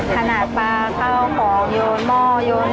ขนาดปลาข้าวของโยนหม้อยน